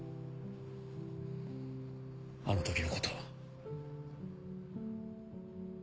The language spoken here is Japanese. あの時のことを。